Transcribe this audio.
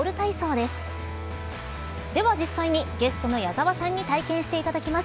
では実際に、ゲストの矢沢さんに体験していただきます。